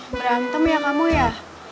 berantem ya kamu ya